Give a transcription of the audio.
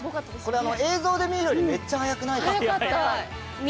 これ映像で見るよりめっちゃ速くないですか？